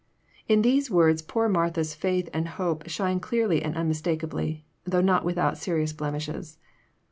"] In these words poor Martha's faith and hope shine clearly and unmistakably, though not without serious blemishes.